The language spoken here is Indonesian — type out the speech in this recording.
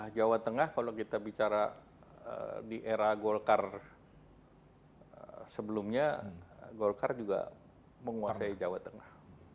jawa tengah kalau kita bicara di era golkar sebelumnya golkar juga menguasai jawa tengah